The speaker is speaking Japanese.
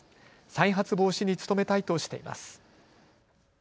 再発防止に努めたいとしています。